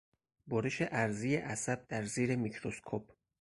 برش عرضی عصب در زیر میکروسکوپ